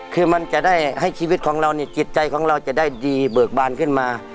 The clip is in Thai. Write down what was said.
คือมันจะได้ให้ชีวิตของเรานี่จิตใจของเราจะได้ดีเบิกบานขึ้นมา